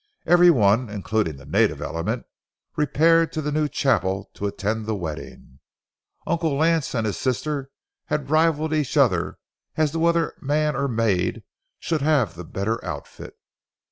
Every one, including the native element, repaired to the new chapel to attend the wedding. Uncle Lance and his sister had rivaled each other as to whether man or maid should have the better outfit.